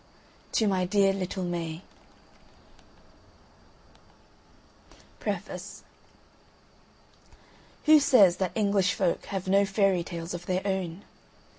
_ TO MY DEAR LITTLE MAY PREFACE Who says that English folk have no fairy tales of their own?